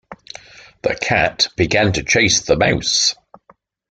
The cat began to chase the mouse.